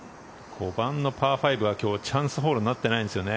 ５番のパー５はチャンスホールになっていないんですよね。